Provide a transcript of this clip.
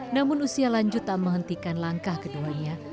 namun usia lanjut tak menghentikan langkah keduanya